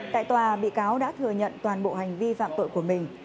tại tòa bị cáo đã thừa nhận toàn bộ hành vi phạm tội của mình